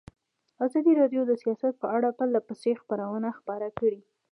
ازادي راډیو د سیاست په اړه پرله پسې خبرونه خپاره کړي.